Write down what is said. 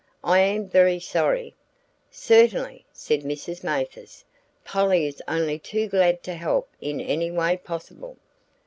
I am very sorry " "Certainly," said Mrs. Mathers, "Polly is only too glad to help in any way possible."